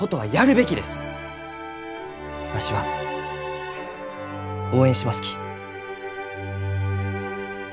わしは応援しますき。